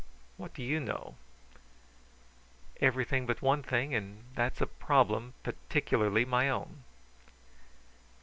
What do you know?" "Everything but one thing, and that's a problem particularly my own."